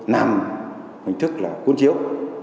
nằm hình thức là cuốn chiếu